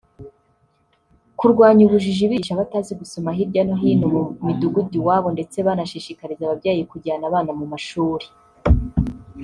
kurwanya ubujiji bigisha abatazi gusoma hirya no hino mu midugudu iwabo ndetse banashishikariza ababyeyi kujyana abana mu mashuri